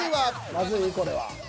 まずいこれは。